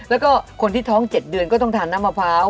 แล้วก็คนที่ท้อง๗เดือนก็ต้องทานน้ำมะพร้าว